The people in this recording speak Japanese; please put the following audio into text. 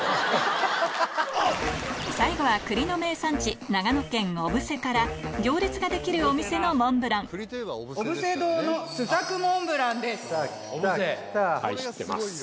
最後は栗の名産地長野県小布施から行列ができるお店のモンブランきたきたきた！